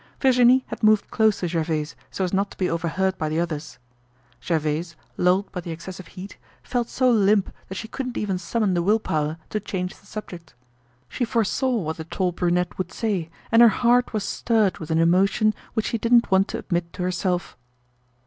Virginie had moved close to Gervaise so as not to be overheard by the others. Gervaise, lulled by the excessive heat, felt so limp that she couldn't even summon the willpower to change the subject. She foresaw what the tall brunette would say and her heart was stirred with an emotion which she didn't want to admit to herself.